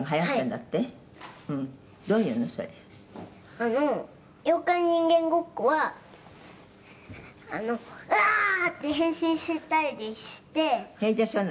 「あの妖怪人間ごっこはうわー！って変身したりして」「変身するの？」